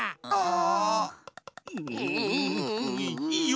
ああ！